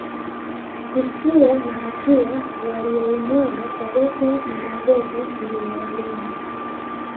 isiyo na hatia waliyoimwaga Dar es Salaam na Nairobi iliwagharimu